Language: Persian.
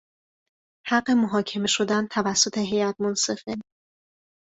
حق محاکمه شدن توسط هیئت منصفه